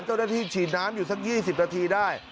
เจ้าหน้าที่ฉีดน้ำอยู่สัก๒๐นาทีได้